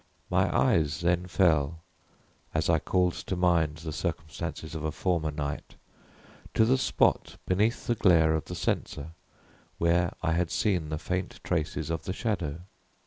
My eyes then fell, as I called to mind the circumstances of a former night, to the spot beneath the glare of the censer where I had seen the faint traces of the shadow.